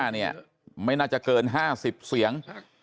เนี่ยไม่น่าจะเกิน๕๐เสียง